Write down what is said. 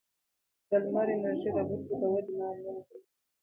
د لمر انرژي د بوټو د ودې لامل ده.